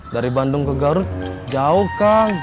dari bandung ke garut jauh kang